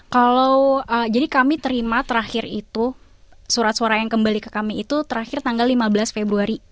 kalau jadi kami terima terakhir itu surat suara yang kembali ke kami itu terakhir tanggal lima belas februari